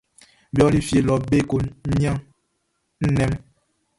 Be ɔli fie lɔ be ko niannin nnɛn mun.